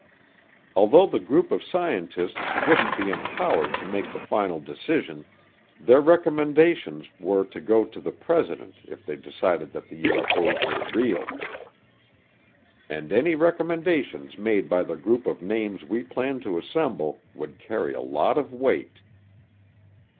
Although the group of scientists wouldn't be empowered to make the final decision, their recommendations were to go to the President if they decided that the UFO's were real. And any recommendations made by the group of names we planned to assemble would carry a lot of weight.